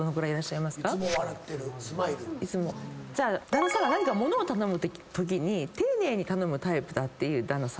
旦那さんが何か物を頼むとき丁寧に頼むタイプだっていう旦那さん